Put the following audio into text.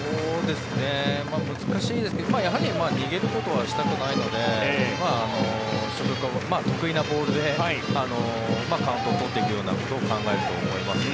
難しいですけど、やはり逃げることはしたくないので得意なボールでカウントを取っていくようなことを考えると思います。